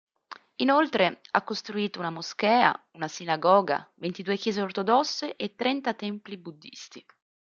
Inoltre, ha costruito una moschea, una sinagoga, ventidue chiese ortodosse e trenta templi buddisti.